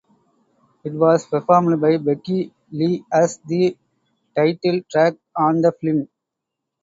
It was performed by Peggy Lee as the title track on the film.